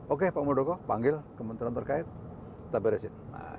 oke pak muldoko panggil kementerian terkait kita beresin